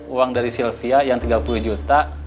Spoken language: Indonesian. uang dari sylvia yang tiga puluh juta